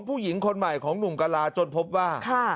ผู้หญิงคนใหม่ของหนุ่มกะลาจนพบว่า